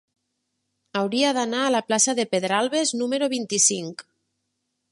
Hauria d'anar a la plaça de Pedralbes número vint-i-cinc.